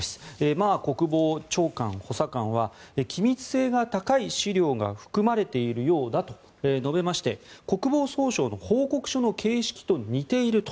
マー国防長官補佐官は機密性が高い資料が含まれているようだと述べまして国防総省の報告書の形式と似ていると。